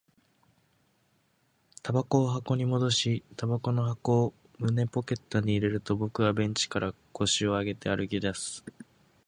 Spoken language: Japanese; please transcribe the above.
煙草を箱に戻し、煙草の箱を胸ポケットに入れると、僕はベンチから腰を上げ、歩き出す